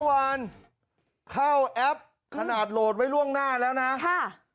เมื่อวานเข้าแอปขนาดโหลดไว้ล่วงหน้าแล้วนะ